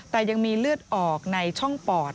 แต่ยังมีเลือดออกในช่องปอด